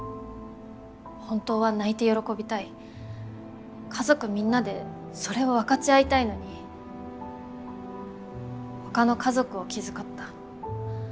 本当は泣いて喜びたい家族みんなでそれを分かち合いたいのに他の家族を気遣った。